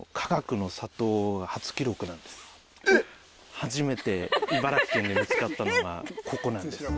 初めて茨城県で見つかったのがここなんですよ。